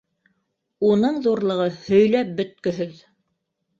Уның ҙурлығы һөйләп бөткөһөҙ.